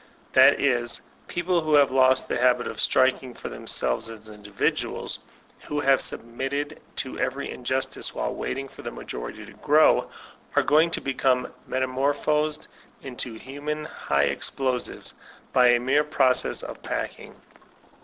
That is, people who have lost tfat habit of striking for themselves as individuals, who |Mtt •wboittcd to every injustice while Waiting for the 240 VOLTAIRINB DE ClEYRE majority to grow, are going to become metamorphosed into human high explosives by a mere process of pack ing!